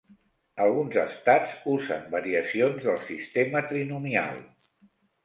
Alguns estats usen variacions del sistema trinomial.